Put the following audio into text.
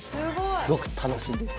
すごくたのしいんです。